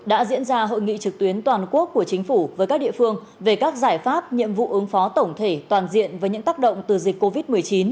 đã diễn ra hội nghị trực tuyến toàn quốc của chính phủ với các địa phương về các giải pháp nhiệm vụ ứng phó tổng thể toàn diện với những tác động từ dịch covid một mươi chín